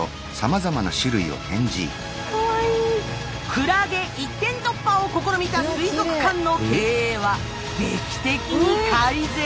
クラゲ一点突破を試みた水族館の経営は劇的に改善。